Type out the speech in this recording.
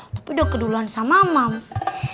tapi udah keduluan sama mama